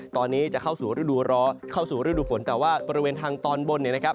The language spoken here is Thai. ตอนนี้จะเข้าสู่ฤดูฟนแต่ว่าบริเวณทางตอนบนนะครับ